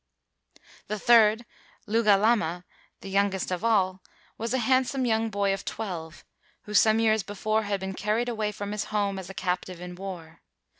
The third, Lugalama, the youngest of all, was a handsome young boy of twelve, who, some years before, had been carried away from his home as a captive in war.